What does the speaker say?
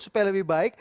supaya lebih baik